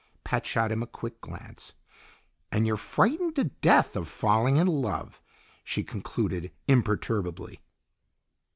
Pat shot him a quick glance. "And you're frightened to death of falling in love," she concluded imperturbably.